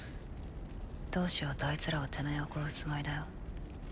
どうしようとあいつらはてめぇを殺すつもりだよ。